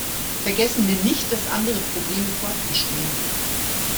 Vergessen wir nicht, dass andere Probleme fortbestehen.